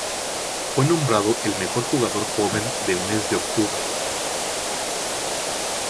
Fue nombrado el mejor jugador joven del mes de octubre.